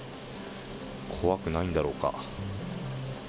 怖くないんだろうか。